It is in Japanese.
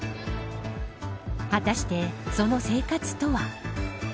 果たして、その生活とは。